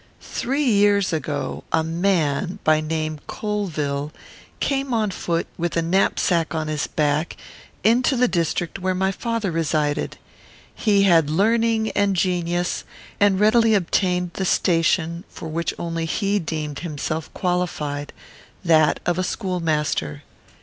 Three years ago, a man, by name Colvill, came on foot, and with a knapsack on his back, into the district where my father resided. He had learning and genius, and readily obtained the station for which only he deemed himself qualified; that of a schoolmaster.